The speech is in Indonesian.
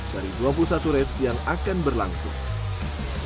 dari dua puluh satu race yang akan berlangsung